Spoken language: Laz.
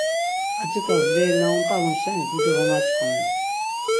Aciǩas leri na unt̆alun şeni dido va maç̌ǩomen.